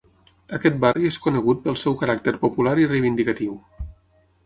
Aquest barri és conegut pel seu caràcter popular i reivindicatiu.